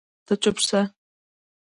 ته چپ سه